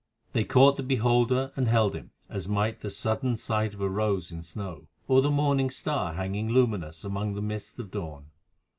They caught the beholder and held him, as might the sudden sight of a rose in snow, or the morning star hanging luminous among the mists of dawn.